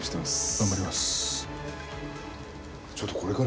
頑張ります。